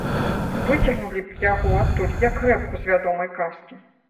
Выцягнулі б яго адтуль, як рэпку з вядомай казкі.